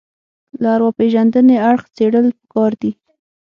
له ارواپېژندنې اړخ څېړل پکار دي